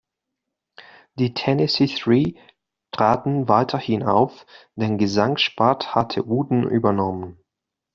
Die Tennessee Three traten weiterhin auf, den Gesangspart hatte Wootton übernommen.